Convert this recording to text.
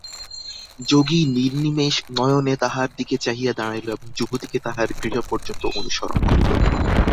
যোগী নির্নিমেষ নয়নে তাহার দিকে চাহিয়া দাঁড়াইল এবং যুবতীকে তাহার গৃহ পর্যন্ত অনুসরণ করিল।